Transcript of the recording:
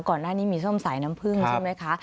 ก่อนหน้านี้มีส้มสายน้ำผึ้งใช่ไหมคะ